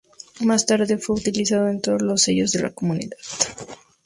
Más tarde fue ya utilizado en todos los sellos de la comunidad.